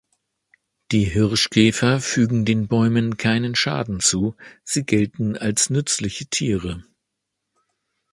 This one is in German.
Die Hirschkäfer fügen den Bäumen keinen Schaden zu, sie gelten als nützliche Tiere.